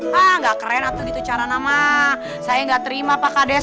hah nggak keren atau gitu cara nama saya nggak terima pak kades